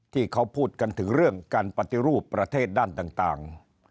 ที่เขาพูดกันถึงเรื่องการปฏิรูปประเทศด้านต่าง